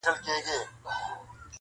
• بیرته لیري له تلک او له دانې سو -